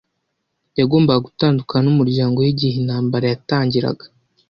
Yagombaga gutandukana n'umuryango we igihe intambara yatangiraga.